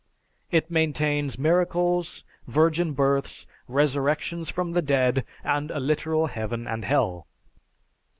It maintains miracles, virgin births, resurrections from the dead, and a literal heaven and hell.